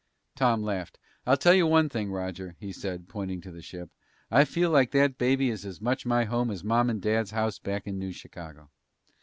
Tom laughed. "I'll tell you one thing, Roger," he said, pointing to the ship, "I feel like that baby is as much my home as Mom's and Dad's house back in New Chicago."